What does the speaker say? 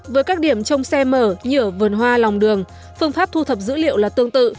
với các điểm trong xe mở như ở vườn hoa lòng đường phương pháp thu thập dữ liệu là tương tự